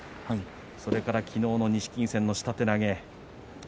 それから昨日の錦木戦の下手投げ